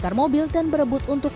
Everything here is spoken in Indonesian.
tak tinggal dulu lah